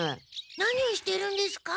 何をしてるんですか？